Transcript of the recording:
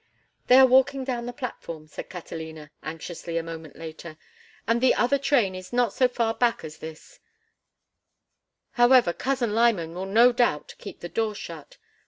"They are walking down the platform," said Catalina, anxiously, a moment later, "and the other train is not so far back as this; however, Cousin Lyman will no doubt keep the door shut.